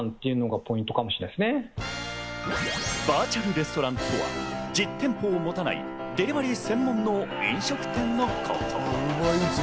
バーチャルレストランとは実店舗をもたないデリバリー専門の飲食店のこと。